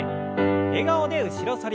笑顔で後ろ反り。